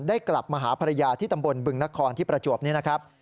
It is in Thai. กลับมาหาภรรยาที่ตำบลบึงนครที่ประจวบนี้นะครับ